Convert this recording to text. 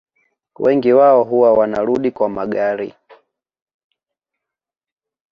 Wengi wao huwa wanarudi kwa magari